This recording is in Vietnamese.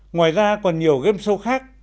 ngoài ra còn nhiều game show khác